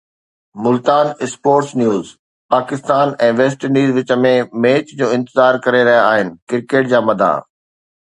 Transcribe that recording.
Multan (sports news) Pakistan ۽ West Indies وچ ۾ match جو انتظار ڪري رهيا آهن ڪرڪيٽ جا مداح